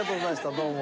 どうも。